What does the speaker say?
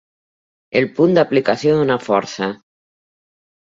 El punt d'aplicació d'una força.